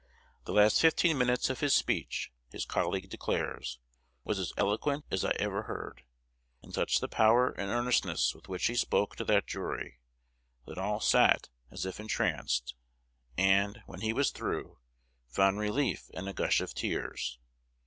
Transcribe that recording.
"The last fifteen minutes of his speech," his colleague declares, "was as eloquent as I ever heard; and such the power and earnestness with which he spoke to that jury, that all sat as if entranced, and, when he was through, found relief in a gush of tears."